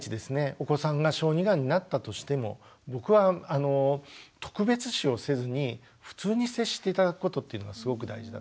お子さんが小児がんになったとしても僕はあの特別視をせずに普通に接して頂くことっていうのがすごく大事だと思っています。